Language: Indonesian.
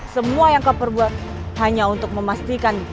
semua yang kau perbuat hanya untuk memastikan